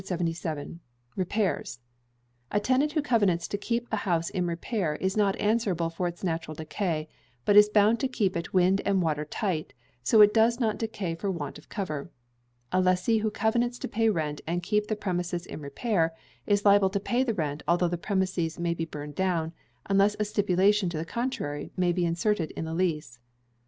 Repairs. A tenant who covenants to keep a house in repair is not answerable for its natural decay, but is bound to keep it wind and water tight, so that it does not decay for want of cover. A lessee who covenants to pay rent and keep the premises in repair, is liable to pay the rent although the premises may be burned down, unless a stipulation to the contrary be inserted in the lease.